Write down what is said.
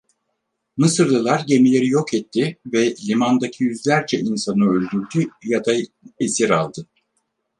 Mısırlılar gemileri yok etti ve limandaki yüzlerce insanı öldürdü ya da esir aldı.